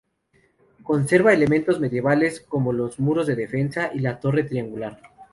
Conserva elementos medievales, como los muros de defensa y la torre triangular.